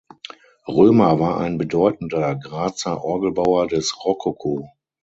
Römer war ein bedeutender Grazer Orgelbauer des Rokoko.